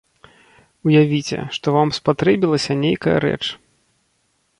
Уявіце, што вам спатрэбілася нейкая рэч.